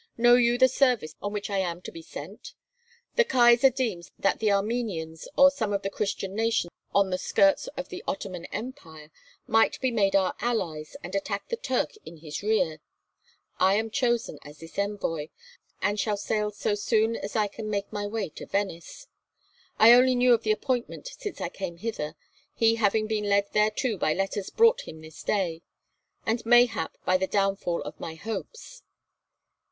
Know you the service on which I am to be sent? The Kaisar deems that the Armenians or some of the Christian nations on the skirts of the Ottoman empire might be made our allies, and attack the Turk in his rear. I am chosen as his envoy, and shall sail so soon as I can make my way to Venice. I only knew of the appointment since I came hither, he having been led thereto by letters brought him this day; and mayhap by the downfall of my hopes.